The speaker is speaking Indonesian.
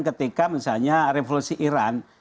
ketika misalnya revolusi iran